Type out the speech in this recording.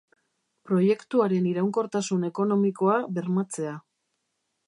Proiektuaren iraunkortasun ekonomikoa bermatzea